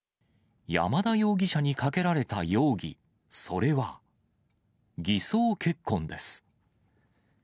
山田容疑者にかけられた容疑、それは、偽装結婚です。